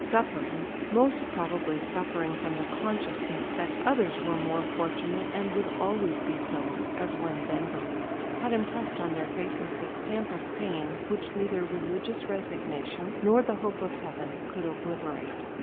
Suffering, most probably, suffering from the consciousness that others were more fortunate, and would always be so, as one then believed, had impressed on their faces the stamp of pain, which neither religious resignation nor the hope of heaven could obliterate.